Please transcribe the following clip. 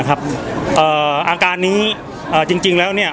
อาการนี้จริงแล้ว